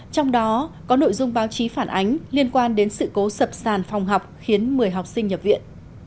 trong đó có nội dung báo chí phản ánh liên quan đến sự cố sập sàn phòng học khiến một mươi học sinh nhập viện